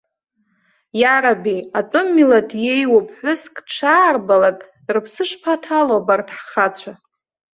Иараби, атәым милаҭ иеиуоу ԥҳәыск дшаарбалак, рыԥсы шԥаҭало абарҭ ҳхацәа.